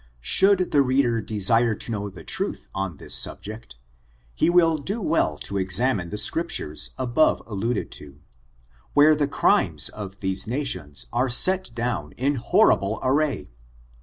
Should the reader desire to know the truth on this subject, he will do well to examine the Scriptures above alluded to, where the crimes of these nations are set down in horrible array.